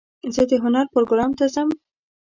زه د هنر پروګرام ته ځم.